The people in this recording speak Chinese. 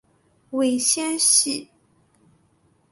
尾纤细。